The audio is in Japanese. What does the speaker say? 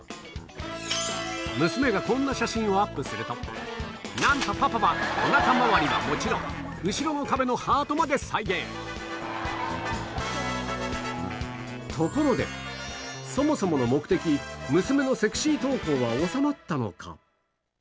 娘がこんな写真をアップするとなんとパパはお腹回りはもちろん後ろの壁のハートまで再現ところでそもそもの目的娘の収まったのか？